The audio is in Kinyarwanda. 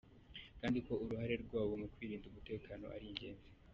Kandi ko uruhare rwabo mu kwirindira umutekano ari ingenzi.